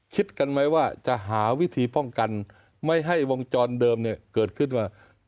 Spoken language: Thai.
คิดกันไหมว่าจะหาวิธีป้องกันไม่ให้วงจรเดิมเนี่ยเกิดขึ้นว่า